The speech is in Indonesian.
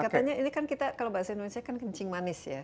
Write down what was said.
dan katanya ini kan kita kalau bahasa indonesia kan kencing manis ya